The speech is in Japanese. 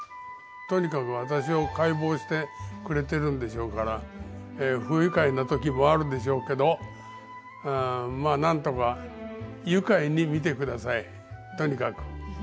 とにかく私を解剖してくれてるんでしょうから不愉快な時もあるでしょうけどまあなんとか愉快に見てくださいとにかく。